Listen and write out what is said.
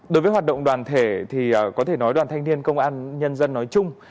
đối với hoạt động đoàn thể thì có thể nói đoàn thanh niên công an nhân dân nói chung